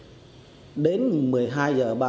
và phát hiện những biểu hiện nghi vấn